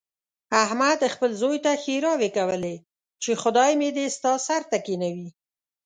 احمد خپل زوی ته ښېراوې کولې، چې خدای مې دې ستا سر ته کېنوي.